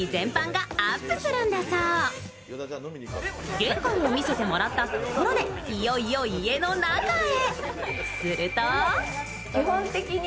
玄関を見せてもらったところで、いよいよ家の中へ。